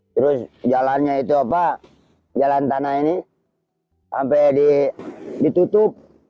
terus jalannya itu apa jalan tanah ini sampai ditutup